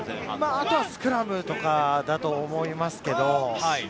あとはスクラムとかだと思います。